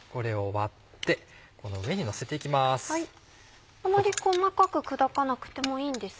あまり細かく砕かなくてもいいんですね？